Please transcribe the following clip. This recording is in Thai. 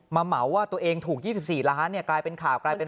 เหมาว่าตัวเองถูก๒๔ล้านเนี่ยกลายเป็นข่าวกลายเป็น